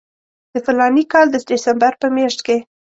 د فلاني کال د ډسمبر په میاشت کې.